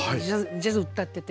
ジャズ歌ってて。